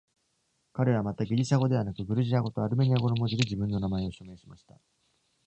彼はまた、ギリシャ語ではなくグルジア語とアルメニア語の文字で自分の名前を署名しました。